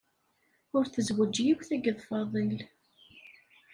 Ur tzewweǧ yiwet akked Faḍil.